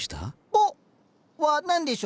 「ポッ」は何でしょう？